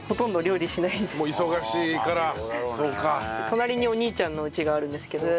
隣にお兄ちゃんの家があるんですけど。